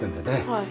はい。